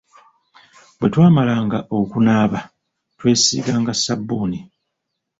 Bwe twamalanga okunaaba twesiiganga ssabbuuni.